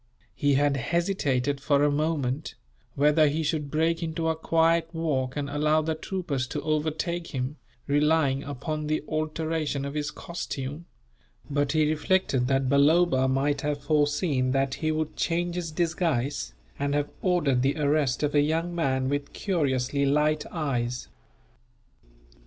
He had hesitated, for a moment, whether he should break into a quiet walk and allow the troopers to overtake him, relying upon the alteration of his costume; but he reflected that Balloba might have foreseen that he would change his disguise, and have ordered the arrest of a young man with curiously light eyes.